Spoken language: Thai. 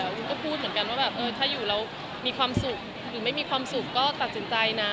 วุ้นก็พูดเหมือนกันว่าแบบเออถ้าอยู่แล้วมีความสุขหรือไม่มีความสุขก็ตัดสินใจนะ